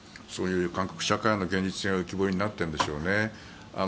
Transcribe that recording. そういう韓国社会の現実が浮き彫りになっているんでしょうね。